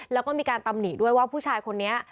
แล้วก็มีการตำหนิด้วยว่าผู้ชายคนนี้